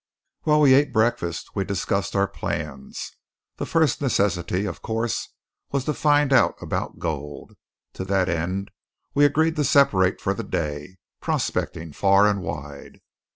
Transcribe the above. While we ate breakfast we discussed our plans. The first necessity, of course, was to find out about gold. To that end we agreed to separate for the day, prospecting far and wide.